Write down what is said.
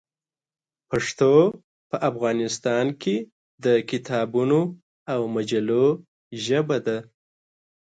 پښتو په افغانستان کې د کتابونو او مجلو ژبه ده.